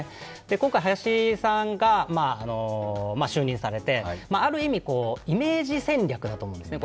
今回林さんが就任されて、ある意味、イメージ戦略だと思うんですね。